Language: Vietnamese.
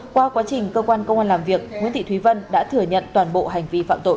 qua quá trình cơ quan công an làm việc nguyễn thị thúy vân đã thừa nhận toàn bộ hành vi phạm tội